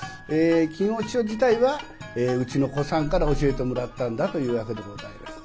金翁師匠自体はうちの小さんから教えてもらったんだというわけでございまして。